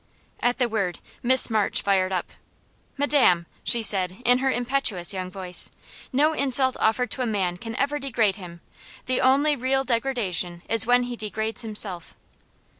At the word Miss March fired up. "Madam," she said, in her impetuous young voice, "no insult offered to a man can ever degrade him; the only real degradation is when he degrades himself."